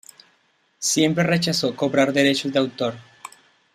Siempre rechazó cobrar derechos de autor.